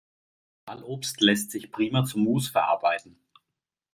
Fallobst lässt sich prima zu Muß verarbeiten.